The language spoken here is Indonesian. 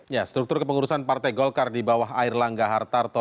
ya struktur kepengurusan partai golkar di bawah air langga hartarto